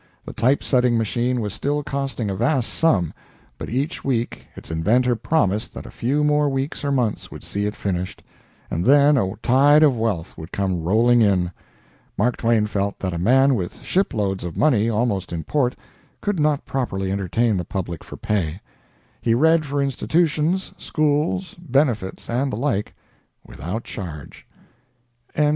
The typesetting machine was still costing a vast sum, but each week its inventor promised that a few more weeks or months would see it finished, and then a tide of wealth would come rolling in. Mark Twain felt that a man with ship loads of money almost in port could not properly entertain the public for pay. He read for institutions, schools, benefits, and the like, without charge. XLIX.